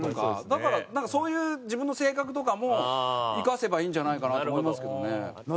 だからなんかそういう自分の性格とかも生かせばいいんじゃないかなと思いますけどね。